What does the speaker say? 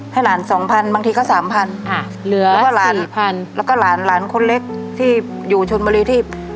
ให้หลานสองพันบางทีก็สามพันอ่าเหลือแล้วก็หลานสี่พันแล้วก็หลานหลานคนเล็กที่อยู่ชนบุรีที่